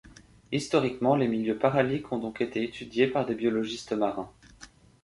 Historiquement, les milieux paraliques ont donc été étudiés par des biologistes marins.